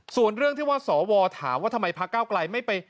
ส่วนเรื่องที่ว่าสวถามว่าทำไมพระเก้าไกลไม่ไป